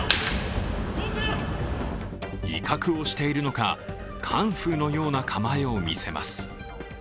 威嚇をしているのか、カンフーのような構えを見せます。